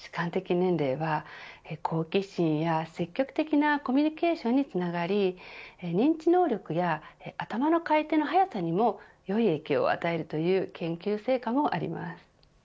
年齢は好奇心や積極的なコミュニケーションにつながり認知能力や頭の回転の速さにもよい影響を与えるという研究成果もあります。